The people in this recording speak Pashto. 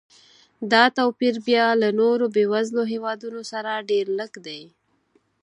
دا توپیر بیا له نورو بېوزلو هېوادونو سره ډېر لږ دی.